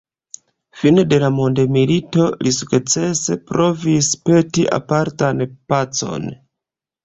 Fine de la mondomilito li sensukcese provis peti apartan pacon.